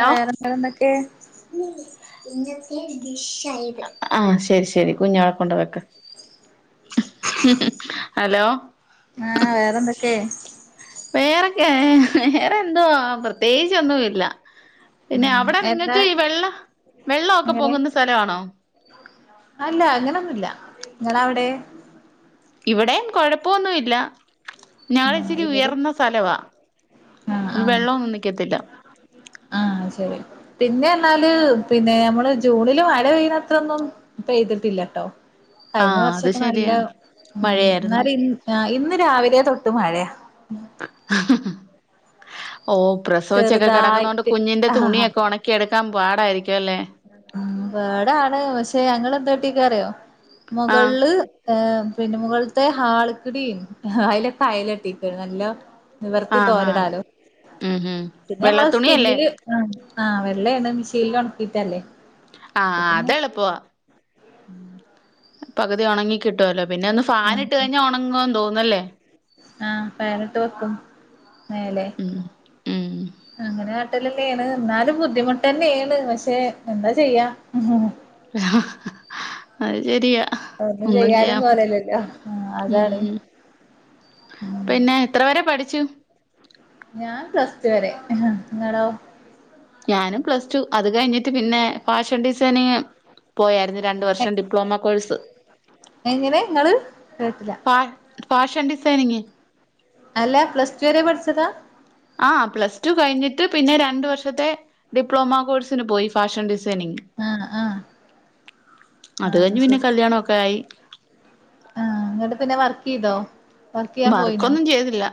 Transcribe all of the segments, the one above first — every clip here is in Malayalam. ഹലോ വേറെ എന്തേരം എന്നൊക്കെ [inaudible] ആഹ് ശരി ശരി കുഞ്ഞു അവിടെ കൊണ്ട് വെക്ക് ഹലോ ആഹ് വേറെന്തൊക്കെ വേറൊക്കെ വേറെ എന്തോവാ പ്രത്യേകിച്ചൊന്നും ഇല്ല പിന്നെ ഉം അവിടെ എന്താ നിങ്ങൾക്ക് ഈ വെള്ള വെള്ളൊക്കെ എങ്ങനെ പൊങ്ങുന്ന സ്ഥലമാണോ അല്ല അങ്ങനൊന്നുമല്ല ഇങ്ങള അവിടെ ഇവിടെയും കുഴപ്പൊന്നുല്ല ഞങ്ങളുടെ ആഹ് ഇച്ചിരി ഇവിടെ ഉയർന്ന സ്ഥലമാ ആഹ് ആഹ് വെള്ളൊന്നും നിക്കത്തില്ല ആഹ് ശരി പിന്നെ എന്നാൽ പിന്നെ നമ്മൾ ജൂണില് മഴ പെയ്യ് ണത്ര ഒന്നും പെയ്തിട്ടില്ലട്ടോ കഴിഞ്ഞ ആഹ് അത് വർഷക്കെ നല്ല ശരിയാ ഉം മഴയായിരുന്നു ഇന്നാല് ൻ ആഹ് ഇന്ന് രാവിലെ തൊട്ട് മഴാ ഓഹ് പ്രസവിച്ചൊക്കെ കെടക്കുന്നോണ്ട് ചെറുതായിട്ട് കുഞ്ഞിന്റെ ആഹ് തുണിയൊക്കെ ഒണ കെടക്കാൻ പാടായിരിക്കും അല്ലേ? ഉം പാടാണ് പക്ഷെ ഞങ്ങൾ എന്താട്ടീക്കറിയോ ആഹ് മുകള്ള് ഏ, പിന്നെ മുകൾത്തെ ഹാൾക്കുടിം അയിലക്ക അയലട്ടിക്കാണ് നല്ലം. നിവർത്തി ആഹ് ആഹ് തോരടാലോ ഉം ഉം പിന്നെ നമ്മൾ വെള്ള തുണിയല്ലേ സ്പിന്നില് ആഹ് ആഹ് വെള്ളേണ് മിഷീൽ ഒണക്കീട്ടല്ലേ. ആഹ് അത് എളുപ്പോ [inaudible] പകുതി ഒണങ്ങി കിട്ടുവല്ലോ പിന്നെ ഒന്ന് ഫാൻ ഇട്ട് ആഹ് കഴിഞ്ഞാ ഒണങ്ങോന്ന് തോന്നല്ലേ? ആഹ് ഫാന്ട്ട് വെക്കും മേലെ ഉം ഉം അങ്ങനെ കെട്ടലെന്നെണ് എന്നാലും ബുദ്ധിമുട്ട് തന്നെണ് പക്ഷെ എന്താ ചെയ്യാ. അത് ശരിയാ ഒന്നും ചെയ്യാനും കോലല്ലല്ലോ ആഹ് അതാണ് ഉം പിന്നെ എത്ര വരെ പഠിച്ചു? ഞാൻ പ്ലസ് ടു വരെ. നിങ്ങളോ? ഞാനും പ്ലസ് ടു അത് കഴിഞ്ഞിട്ട് പിന്നെ ഫാഷൻ ഡിസൈനിങ് പോയായിരുന്നു രണ്ട് വർഷം ഡിപ്ലോമ കോഴ്സ് എങ്ങനെ ഇങ്ങള് കേട്ടില്ല ആഹ് ഫാഷൻ ഡിസൈനിങ്ങ്. അല്ല പ്ലസ് ടു വരെ പഠിച്ചതാ? ആഹ് പ്ലസ് ടു കഴിഞ്ഞിട്ട് പിന്നെ രണ്ട് വർഷത്തെ ഡിപ്ലോമ കോഴ്സിന് പോയി. ഫാഷൻ ഡിസൈനിങ് ആഹ് ആഹ് അത് ആഹ് കഴിഞ്ഞ് പിന്നെ ശരി കല്യാണക്കെ ആയി. ആഹ് ങ്ങട്ട് പിന്നെ വർക്ക് യ്തോ വർക്ക് യ്യാൻ പോയിനോ? വർക്കൊന്നും ചെയ്തില്ല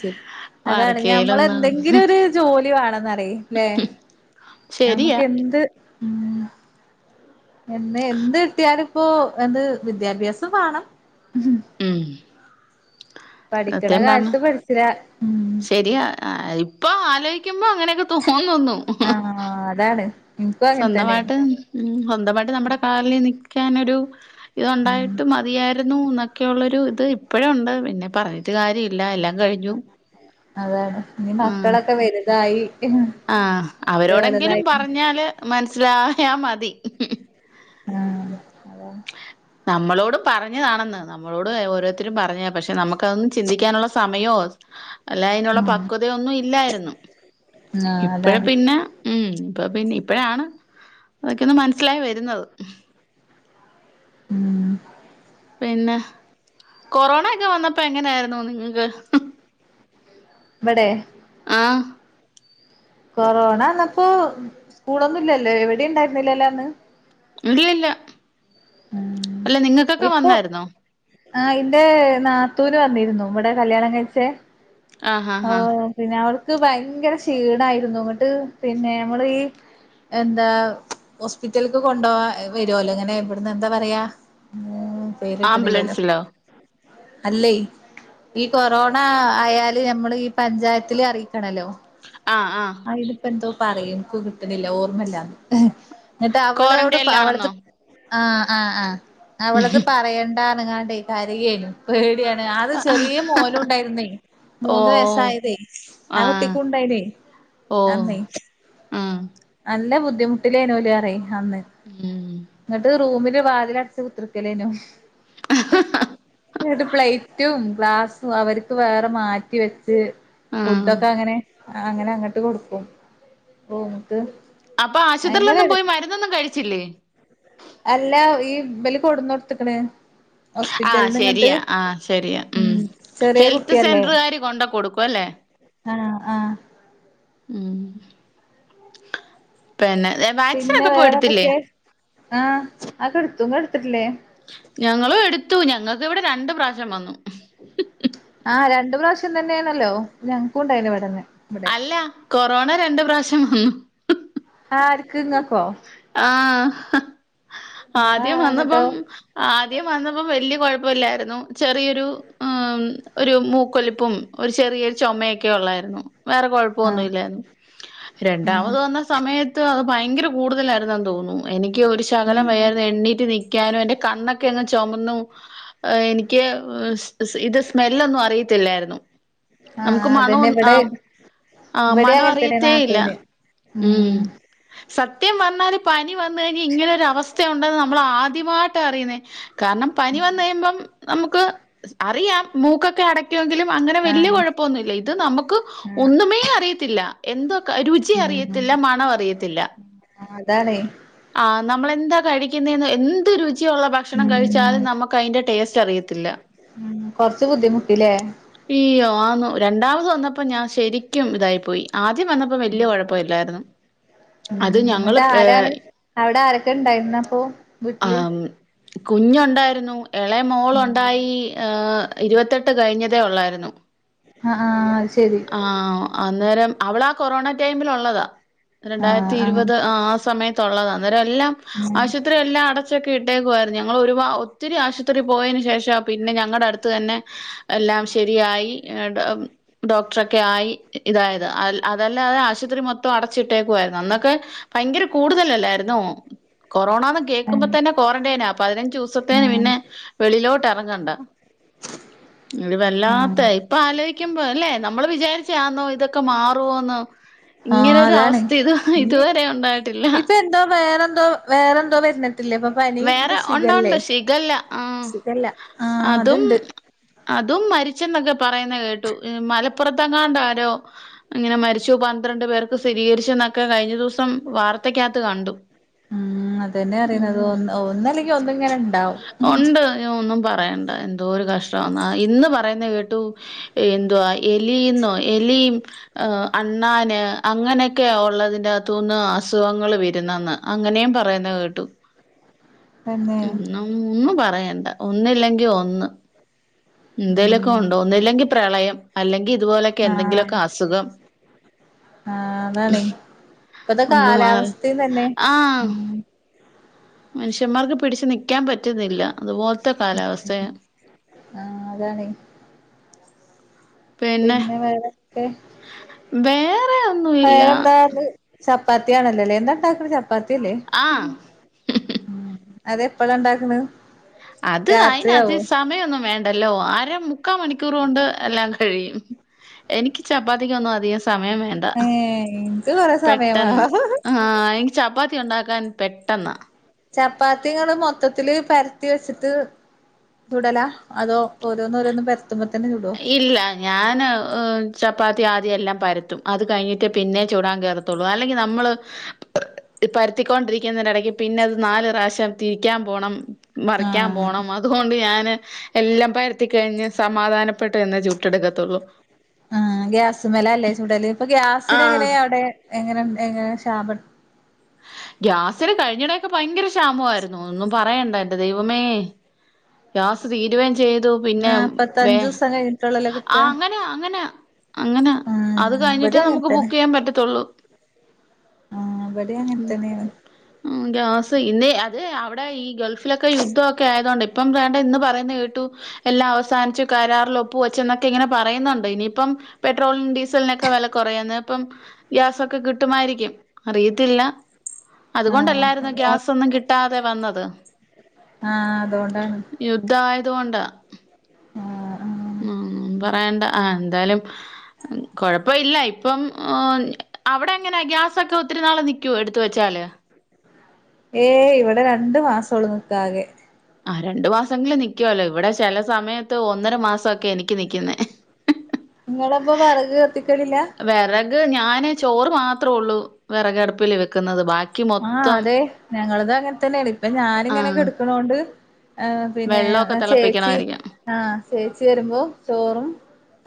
ശരി അതാണ് നമ്മൾ വർക്കേലൊന്നാണ് എന്തെങ്കിലും ഒരു ജോലി വേണെന്ന് അറി ല്ലേ? നമുക്ക് ശരിയാ എന്ത് ഉം എന്ന് എന്ത് കിട്ടിയാലും ഇപ്പോ എന്ത് വിദ്യാഭ്യാസം മാണം. ഉം പഠിക്ക്ണ സത്യം പറഞ്ഞ കാലത്ത് പഠിച്ചിലാ ഉം ശരിയാ ഇപ്പൊ ആലോയിക്കുമ്പോ അങ്ങനെക്കെ തോന്നുന്നു. ആഹ് അതാണ് ഇൻക്കും അങ്ങനെ തന്നെയാണ് സ്വന്തമായിട്ട് ഉം സ്വന്തമായിട്ട് നമ്മുടെ കാലിൽ നിൽക്കാനൊരു ഉം ഇത്ണ്ടായിട്ട് മതിയായിരുന്നു ന്നൊക്കെ ഉള്ളൊരു ഇത് ഇപ്പഴും ണ്ട് പിന്നെ പറഞ്ഞിട്ട് കാര്യ ഇല്ല എല്ലാം കഴിഞ്ഞു അതെന്നെ ഇനി ആഹ് മക്കളക്കെ വലുതായി ആഹ് ഓല് അവരോടെങ്കിലും ഓലതായിട്ട് പറഞ്ഞാൽ മനസ്സിലായാൽ മതി. ആഹ് അതെ നമ്മളോടും പറഞ്ഞതാണെന്ന് നമ്മളോട് ഓരോരുത്തരും പറഞ്ഞ പക്ഷെ നമുക്കതൊന്ന് ചിന്തിക്കാനുള്ള സമയോ അല്ല അയിനുള്ള പക്വതയൊന്നും ഇല്ലായിരുന്നു ഇപ്പഴാ അതാണ് പിന്നെ ഉം ഇപ്പ പിന്നെ ഇപ്പഴാണ് അതൊക്കെ ഒന്ന് മനസ്സിലായി വര്ന്നത്. ഉം പിന്നെ കൊറോണ ഒക്കെ വന്നപ്പോ എങ്ങനെയായിരുന്നു നിങ്ങക്ക്? ഇബടെ? ആഹ് കൊറോണ വെന്നപ്പോ സ്കൂളൊന്നുല്ലല്ലോ എവിടെ ണ്ടായിരുന്നില്ലല്ലോ അന്ന്? എവിടെയില്ല മ്മ് നിങ്ങ ഇപ്പോ ആ ഇന്റെ നാത്തൂന്- വന്നിരുന്നു ഇവടെ കല്യാണം കഴിച്ച. ആഹ് ഓ ആഹ് ആഹ് പിന്നവർക്ക് ഭയങ്കര ക്ഷീണായിരുന്നു. എന്നട്ട് പിന്നെ ഞങ്ങള്- എന്താ ഹോസ്പിറ്റല്ക്ക്- കൊണ്ടൊവാ വരോല്ലോ, ഇങ്ങനെ ഇവിടന്നെന്താ പറയാ? [inaudible] ക്ക്‌ണില്ലല്ലോ ആംബുലൻസിലോ അല്ലെ ഈ കൊറോണ ആയ- ല് ഞമ്മള് ഈ പഞ്ചായത്തില് അറിയിക്കണല്ലോ. ആഹ് ആഹ് ആയിനിപ്പോ എന്തോ പറയും, ഇനിക്ക് കിട്ട്നില്ല, ഓർമ്മല്ല. ന്നട്ട് അവളവിടെ ക്വാറന്റൈനിലാണെന്നോ അവള- ആഹ്, ആഹ്, ആഹ്, അവളത് പറയണ്ടാ പറഞ്ഞിട്ട് കരയേനു. പേടിയാണ് അത് ചെറിയ മോനും, ഇണ്ടായിരുന്നേ ഓ മൂന്ന് വയസായതേ. ആ ആഹ് കുട്ടിക്കുണ്ടായിര്ന്നെ. ഓ അന്നേ ആഹ് നല്ല ബുദ്ധിമുട്ടിലേന്ന് ഓല് പറയ. അന്ന് ഉം ഇന്നട്ട് റൂമില് വാതിലടച് കുത്തിറ്ക്കലേനു. ഇന്നട്ട് പ്ലേറ്റും, ഗ്ലാസും അവർക്ക് വേറെ മാറ്റി വെച്- ട്ട് ആഹ് ഫുഡൊക്കങ്ങനെ അങ്ങനെ- അങ്ങട്ട് കൊടുക്കും റൂമിക്ക്. അപ്പോ ആശുത്രിയിലൊന്നും പോയി മരുന്നൊന്നും കഴിച്ചില്ലേ. അല്ല ഈ ഇബല്- കൊടുന്നോട്ത്തക്കണ്. ആഹ് ഹോസ്പിറ്റല്ന്നിങ്ങട്ട് ശരിയാ ആഹ് ശരിയാ ഉം ചെറിയ ഹെൽത്ത് കുട്ടിയല്ലേ. സെന്ററുകാര് കൊണ്ട കൊടുക്കും അല്ലേ ആഹ, ആഹാ. മ്മ്. പിന്നെ പിന്നെ വാക്സിനൊക്കെ- പോയെടുത്തില്ലേ? വേറെന്തൊക്കെ ആഹ് അഒക്കെടുത്തു. ഇങ്ങളെടുത്തിട്ടില്ലേ? ഞങ്ങളും എടുത്തു ഞങ്ങക്കിവിടെ- രണ്ട് പ്രാവശ്യം വന്നു. ആഹ് രണ്ട് പ്രാവശ്യം, തന്നെയാണല്ലോ ഞങ്ങക്കും ഉണ്ടായിന് ഇവിടന്ന്. അല്ല കൊറോണ രണ്ട് പ്രാവശ്യം വന്നു. ആര്- ആഹ് ആദ്യം ആഹ് ഇങ്ങട്ടോ വന്നപ്പം- ആദ്യം വന്നപ്പോ വല്യ- കുഴപ്പവില്ലായിരുന്നു ചെറിയൊരു- മ്മ് ഒരു മൂക്കൊലിപ്പും, ഒരു ചെറിയൊരു ചൊമയൊക്കെ- ഒള്ളായിരുന്നു വേറെ കൊഴ- ആഹ് പ്പൊന്നുല്ലാരുന്നു, ആഹ് രണ്ടാമത് വന്ന സമയത്ത് അത് ഭയങ്കര- കൂടുതലായിരുന്നെന്ന് തോന്നുന്നു. എനിക്ക് ഒരു ശകലം ഉം വയ്യാരുന്നു, എണ്ണീറ്റ് നിക്കാനൊ, എന്റെ കണ്ണൊക്കെയങ്ങ് ചൊമന്നു. ഏ എനിക്ക് സ് ഇത് സ്മെല്ലൊന്നും അറിയത്തില്ലായിരുന്നു. നമുക്ക് ആഹ് അതന്നെ മണവൊന്ന് ഇവിടെ ആഹാ. ആഹ് ഇവിടെ അങ്ങനത്തന്നെ മണവറിയത്തേയില്ല നാത്തൂന് ഉം. സത്യം പറഞ്ഞാല് പനി വന്ന്- കഴിഞാ ഇങ്ങനെ ഒരു അവസ്ഥ. ഥയുണ്ടെന്ന് നമ്മളാദ്യമായിട്ട- അറിയുന്നേ കാരണം പനി വന്ന് കഴിയുമ്പം- നമുക്ക് അറിയാം മൂക്കൊക്കെ അടക്കുവെങ്കിലും അങ്ങനെ വല്ല്യ ആഹ് കൊഴ- പ്പൊന്നുല്ല ഇത് നമുക്ക് ആഹ് ഒന്നുമേ അറിയത്തില്ല. എന്തൊ രുചി അറിയത്തില്ല മണം അറിയത്തില്ല. ആ അതാണേ. ആ നമ്മളെന്താ കഴിക്കുന്നെന്ന്- എന്ത് രുചിയൊള്ള ഭക്ഷണം- ഉം കഴിച്ചാലും നമക്ക് അയിന്റെ ടേസ്റ്റ് അറിയത്തില്ല. മ്മ് കൊറച്ച് ബുദ്ധിമുട്ടില്ലേ. ഇയ്യോ ആന്നു രണ്ടാമത് വന്നപ്പോ- ഞാൻ ശരിക്കും ഇതായി പോയി- ആദ്യം വന്നപ്പോ വല്ല്യ- കൊഴപ്പവില്ലാരുന്നു അത് ഞങ്ങള് പെ ഏ. അവടെ ആരൊക്കെ ഇണ്ടായിന്ന് അപ്പോ. ആ മ്മ് കുഞ്ഞുണ്ടായിരുന്നു ഇളയ മോളൊണ്ടായി ഹേ. ഇരുവത്തെട്ട് കഴിഞ്ഞതേ ഒള്ളായിരുന്നു. അ ആഹ് അത് ശരി. ആഹ അന്നേരം അവളാ, കൊറോണ ടൈമിൽ ഉള്ളതാ. ആഹ് രണ്ടായിരത്തി ആഹ് ഇരുപത് ആ, സമയത്തള്ളത. അന്നേരം എല്ലാം ഉം ആശുപത്രി എല്ലാം അട- ക്കെ ഇട്ടേക്കുവായിരുന്നു ഞങ്ങൾ ഒരു പാ ഒത്തിരി ആശുപത്രി പോയതിനന് ശേഷാ പിന്നെ ഞങ്ങളുടെ അടുത്ത് തന്നെ എല്ലാം ശരിയായി ഡോക്ടറൊക്കെ ആയി ഇതായത് അ അതല്ല തെ ആശുപത്രി മൊത്തം അടച്ചിട്ടേക്കുയിരുന്നു അന്നൊക്കെ ഭയങ്കര കൂടുതലല്ലായിന്നോ കൊറോണന്ന് കേൾക്കുമ്പോ ആഹ് തന്നെ കോറന്റൈന ആ പതിനഞ്ചച് ദിവസത്തേന് ആഹ് പിന്നെ വെളിയിലോട്ട് ഇറങ്ങണ്ട ഇത് വല്ലാത്ത ആഹ് ഇപ്പ ആലോചിക്കുമ്പോ അല്ലേ നമ്മള് വിചാരിച്ചാന്നോ ഇതൊക്കെ മാറോന്ന് ഇങ്ങനെ ആഹ് ഒരു അതാണ് അവസ്ഥ ഇത് ഇനി ഇതുവരെ ഉണ്ടായിട്ടില്ല ഇപ്പൊ എന്തോ വേറെന്തോ വേറെന്തോ വരുന്നിട്ടില്ലേ ഇപ്പം വേറെ ഉണ്ടോ ഉണ്ടോ ശിഖല്ല ആഹ ശിഖല്ല ആഹ് അതും അതുണ്ട് അതും മരിച്ചെന്നൊക്കെ പറയുന്ന കേട്ടു മലപ്പുറത്തെങ്ങാണ്ട ആരോ അങ്ങനെ മരിച്ചു പന്ത്രണ്ട് പേർക്ക് സ്ഥിരീകരിച്ച എന്നൊക്കെ കഴിഞ്ഞ ദിവസം വാർത്തക്കകത്ത് കണ്ടു ഉം അതന്നെ അറിയുന്നത് ഒന്ന് ഒന്നല്ലെങ്കിൽ ഒന്നിങ്ങനെ ഉണ്ടാവും ഉണ്ട് ഞാൻ ഒന്നും പറയണ്ട എന്തോ ഒരു കഷ്ട മാന്ന ഇന്ന് പറയുന്ന കേട്ടു എന്വാ എലിയന്നോ എലിയും അണ്ണൻ അങ്ങനെയൊക്കെയ ഉള്ളതിൻ്റെക ത്തുന്നുഅസുഖങ്ങൾ വരുന്നതെന്ന് അങ്ങനെയും പറയുന്നത് കേട്ടു ഉ ഉ ഒന്നും പറയണ്ട ഒന്നില്ലെങ്കിൽ ഒന്ന് എന്തേലൊക്കെ ഉം ഉണ്ടോ ഒന്നല്ലെങ്കിൽ പ്രളയം അല്ലെങ്കിൽ ഇതുപോലെയൊക്കെ എന്തെങ്കിലുമൊക്കെ അസുഖം ആ അതാണ് ഒന്ന് മാറി ഇപ്പത്തെകാലാവസ്ഥയും തന്നെ ആഹ് മനുഷ്യന്മാർക്ക് പിടിച്ച് നൽക്കാൻ പറ്റുന്നില്ല അതുപോലത്തെ കാലാവസ്ഥയ ആ അതാണ് പിന്നെ വേറെക്കെ വേറെ വേറെ ഒന്നുമില്ല എന്താത് ചപ്പാത്തിയാണല്ലോല്ലേ എന്താ ഉണ്ടാക്കണ ചപ്പാത്തിയല്ലേ ആഹ് ഉ അതെപ്പോഴ ഉണ്ടാക്കുന്നു അത് അയിന് അതി സമയൊന്നും വേണ്ടല്ലോ ആര മുക്കാ മണിക്കൂർ കൊണ്ട് എല്ലാം കഴിയും എനിക്ക് ചപ്പാത്തി കൊന്നും അധികം സമയം വേണ്ട ഏളൻക്ക് കൊറെ സമയംമാണം ആ എനിക്ക് ചപ്പാത്തി ഉണ്ടാക്കാൻ പെട്ടെന്നാ ചപ്പാത്തിങ്ങള്മൊത്തത്തില് പരത്തി വെച്ചിട്ട് തുടലാ അതോ ഓരോന്ന രോന്നും പ തുമ്പം തന്നെ ചുടോ ഇല്ല ഞാൻ ചപ്പാത്തി ആദ്യംല്ലാം പരത്തും അത് കഴിഞ്ഞിട്ടേ പിന്നെ ചൂടാൻ കയറത്തുള്ളൂ അല്ലെങ്കിൽ നമ്മൾ പരത്തിക്കൊണ്ടിരിക്കുന്നതിൻ്റെടയ്ക്ക് പിന്നെത് നാല് പ്രാവശ്യം തിരിക്കാൻ പോണം മറക്കാൻ ആഹ് പോണം അതുകൊണ്ട് ഞാന് എല്ലാം പരത്തി കഴിഞ്ഞ് സമാധാനപ്പെട്ട് തന്നെ ചുട്ടെടുക്കത്തുള്ളൂ ആ ഗ്യാസ് മല അല്ലേ ചൂടല് ഇപ്പൊ ഗ്യാസിന എങ്ങനെ ആഹ് അവിടെ എങ്ങനെ എങ്ങനെ ക്ഷാമ ഗ്യാസിന് കഴിഞ്ഞിടൊക്കെ ഭയങ്കര ക്ഷാമമായിരുന്നു ഒന്നും പറയണ്ട എൻ്റെ ദൈവമേ ഗ്യാസ് തീരുകയും ചെയ്തു പിന്നെ വേ നാപ്പത്തഞ്ച് ദിവസം കഴിഞ്ഞിട്ടുള്ളല്ലോ ആ കിട്ടാ അങ്ങനെ അങ്ങനെയ അങ്ങനാ ആ അത് ഇവിടെ കഴിഞ്ഞിട്ടേ നമുക്ക് ബുക്ക് ചെയ്യാൻ പറ്റത്തുള്ളൂ ആഹവിടെ അങ്ങനെത്തനെയ ഉ ഗ്യാസ് ഇന്ന അത് അവിടെ ഈ ഗൾഫിലൊക്കെ യുദ്ധമൊക്കെ ആയതോണ്ട് ഇപ്പം വേണ്ട ഇന്ന് പറയുന്ന കേട്ടു എല്ലാം അവസാനി ച്ചു കരാറിൽ ഒപ്പ് വെച്ചു എന്നൊക്കെ ഇങ്ങനെ പറയുന്നുണ്ട് ഇനിയിപ്പം പെട്രോളും ഡീസ സൽനൊക്കെ വില കുറയാന്ന് ഇപ്പം ഗ്യാസൊക്കെ കിട്ടുമായിരിക്കും അറിയത്തില്ല ആ അതുകൊണ്ടല്ലായിരുന്നൊഗ്യാസ ഗ്യാസ് ഒന്നും കിട്ടാതെ വന്നത് ആ അതുകൊണ്ടാണ് യുദ്ധമായതുകൊണ്ട ആ ആ ഉം പറയണ്ട ആ എന്തായാലും കൊഴപ്പം ഇല്ല, ഇപ്പം അവിടെ എങ്ങനെ ഗ്യാസൊക്കെ ഒത്തിരി നാള് നിക്കോ എടുത്തു വെച്ചാല് ഏയ് ഇവിടെ രണ്ടു മാസൊള്ളൂ നിക്ക ആകെ ആഹ് രണ്ടു മാസെങ്കിലും നിക്കുവല്ലേ ഇവിടെ ചെല സമയത്ത് ഒന്നര മാസൊക്കെ എനിക്ക് നിക്ക്ന്നെ ഇങ്ങള് അപ്പൊം വെറക് കത്തിക്കലില്ലാ വെറക് ഞാന് ചോറ് മാത്രേ ഉള്ളൂ വെറകടുപ്പില് വെക്കുന്നത് ബാ ആഹ് അതെ ഞങ്ങളത് അങ്ങൻ തന്നെയാണ് ഇപ്പം ഞാനിങ്ങനെ ആഹ് കെടക്കണോണ്ട് ആഹ് പിന്നെ വെള്ളമൊക്കെ ആഹ് ചേച്ചി തിളപ്പിക്കണമായിരിക്കും ആഹ് ചേച്ചി വരുമ്പോ ചോറും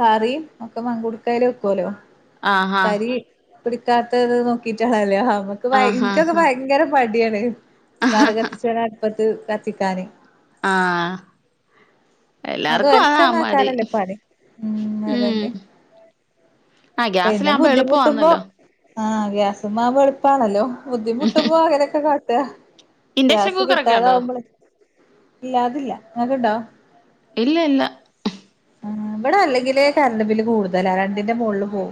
കറിയും ഒക്കെ മങ്കുകുടുക്കേല് വെക്കുലു ആഹാ കരി പിടിക്കാത്തത് നോക്കിട്ടാണല്ലേ ഹമ്മക്ക് ഭയങ്കര ആഹാ ഇനിക്കൊക്കെ ഹാ ഭയങ്കര മടിയാണ് വെറക് കത്തിച്ച് വേണം അടുപ്പത്ത് കത്തിക്കാന് ആഹ് അത് എല്ലാർക്കും അതാ മടി ഒരച്ചന്നാക്കാനല്ലേ പണി ഉം അതന്നെ ആ പിന്നെ ഗ്യാസിലാകുമ്പോ ബുദ്ധിമുട്ടുമ്പോ എളുപ്പമാന്നല്ലോ ആഹ് ഗ്യാസുമാവു എളുപ്പാണല്ലോ ബുദ്ധിമുട്ടുമ്പോ അങ്ങനെയൊക്കെ കാട്ട്അ ഇൻഡക്ഷൻ ഗ്യാസ് കുക്കറൊക്കെ ഉണ്ടോ കിട്ടാതമ്പോളെ ഇല്ലാ തില്ല ങ്ങൾക്ക് ഇണ്ടോ ഇല്ല ഇല്ല ആഹ് ഇവിടെ അല്ലെങ്കില്ലേ കരണ്ട് ബില്ല് കൂടുതലാ രണ്ടിന്റെ മോള്ള് പോവും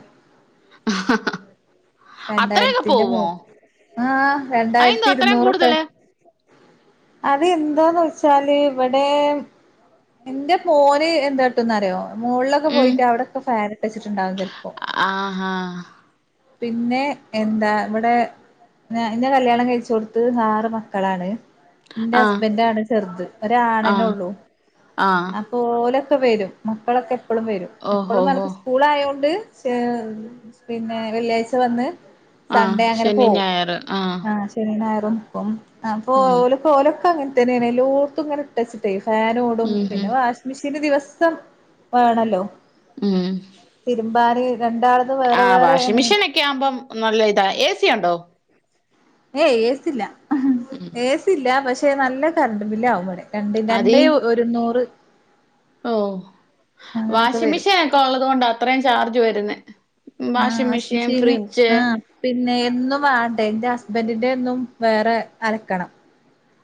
അത്രയൊക്കെ രണ്ടാരത്തിന്റെ മോ പോവോ ആഹ് അയെന്താ രണ്ടായിരത്തി അത്രയും ഇരുന്നൂറൊക്കെ കൂടുതല് അത് എന്താന്നോച്ചാല് ഇവിടെ എന്റെ മോന് എന്താട്ട്ന്നറിയോ മോള്ള് ക്കെ ഉം പോയിട്ട് അവിടൊക്കെ ഫാൻ ഇട്ട് വെച്ചിട്ടുണ്ടാവും ചെലപ്പോ ആഹാ പിന്നെ എന്താ ഇവിടെ ന്നെ ന്റെ കല്യാണം കഴിച്ചോടുത്ത് ആറ് മക്കളാണ് ന്റെ ആഹ് ഹസ്ബൻഡ് ആണ് ചെറുത് ആഹ് ഒരാണന്നെള്ളൂ ആഹ് ഓലൊക്കെ വരും മക്കളൊക്കെ എപ്പളും വരും ഓഹോ എപ്പളും ഹോ [unintelligible] സ്കൂളായോണ്ട് ചേ പിന്നെ വെള്ളിയാഴ്ച വന്ന് ആഹ് സൺഡേ അങ്ങനെ ശനി പോവും ഞായറ് ആഹ് ശനി ഞായറും ഇപ്പം അപ്പൊ ഉം ഓല് ഓലൊക്കെ അങ്ങൻതന്നെയാണ് എല്ലോർത്തും ഇങ്ങനെ ഇട്ടെച്ചിട്ടേ ഫാനോടും ഉം ഉം പിന്നെ വാഷ് മിഷന് ദിവസം വേണല്ലോ ഉം തിരുമ്പാന് രണ്ടാള് ആഹ് വാഷിംഗ് മെഷീൻക്കെ ആമ്പം നല്ല ഇതാ ഏസിയുണ്ടോ ഏയ് ഏസി ഇല്ല ഉം ഏസില്ല പക്ഷെ നല്ല കറണ്ട് ബില്ല് ആവും ഇവിടെ രണ്ട് അതീ രണ്ടേ ഒരുനൂറ് ഓഹ് അങ്ങനെയൊക്കെ വാഷിംഗ് വരും മെഷീൻ ഒക്കെ ഒള്ളത് കൊണ്ടാ അത്രേയും ചാർജ് വരുന്നെ ആഹ് വാഷിംഗ് മിഷീൻ മെഷീന് ഫ്രിഡ്ജ് ആഹ് പിന്നെ എന്നും വേണ്ടേ എന്റെ ഹസ്ബന്റി ന്റെന്നും വേറെ അലക്കണം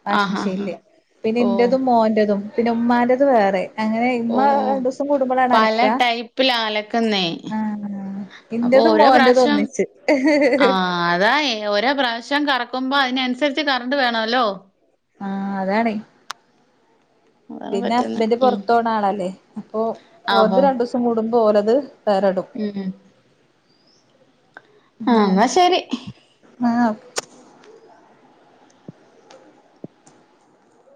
വാഷിംഗ് ആഹ് ആഹ് മെഷീനില് ആഹ് പിന്നെ ഓഹ് ന്റെതും മോന്റെ തും പിന്നെ ഉമ്മാന്റെത് വേറെ അങ്ങനെ ഇമ്മ ഓഹ് ഓഹ് രണ്ടസം കൂടുമ്പോളാ പല അലക്ക ടൈപ്പിലാ അലക്കുന്നേ ആഹ്‌ അപ്പൊ ഇന്റെ തും മോന്റെ തും ഒന്നിച്ച് അതായെ ഓരോ പ്രാവശ്യം കറക്കുമ്പോ അയിനനുസരിച്ച് കറണ്ട് വേണ ല്ലോ ആഹ് അതാണെ അതാണ് പിന്നെ പറ്റുന്നെ ഹസ്ബൻഡ് ഉം പൊറത്തോണ ആളല്ലേ അപ്പൊ ഓരത് രണ്ടൂസം കൂടുമ്പോ ഓരെത് വേറെടും മ്ം മ്ം ആഹ് ന്നാ അങ്ങനെ ശരി ആഹ്